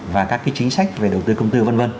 và các chính sách về đầu tư công tư v v